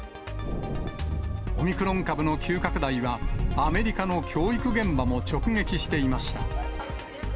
オミクロン株の急拡大は、アメリカの教育現場も直撃していました。